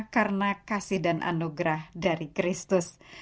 karena kasih dan anugerah dari kristus